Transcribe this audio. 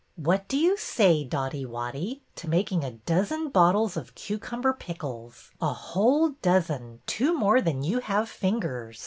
'' What do you say. Dotty Wotty, to making a dozen bottles of cucumber pickles, a whole dozen, two more than you have fingers?"